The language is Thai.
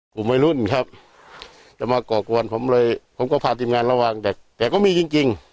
กลุ่มวัยรุ่นครับจะมาก่อกวนผมเลยผมก็พาทีมงานระวังแต่แต่ก็มีจริงจริง